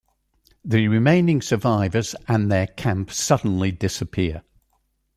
The remaining survivors and their camp suddenly disappear.